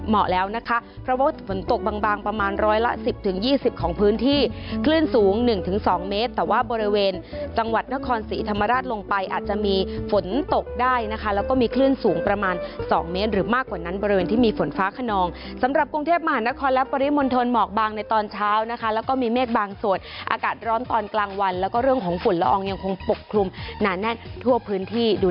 ๒เมตรแต่ว่าบริเวณจังหวัดนครศรีธรรมราชลงไปอาจจะมีฝนตกได้นะคะแล้วก็มีคลื่นสูงประมาณ๒เมตรหรือมากกว่านั้นบริเวณที่มีฝนฟ้าขนองสำหรับกรุงเทพมหานครและปริมนธรหมอกบางในตอนเช้านะคะแล้วก็มีเมฆบางส่วนอากาศร้อนตอนกลางวันแล้วก็เรื่องของฝนละอองยังคงปกคลุมนานแน่ทั่วพื้นที่